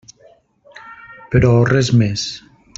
Però res més.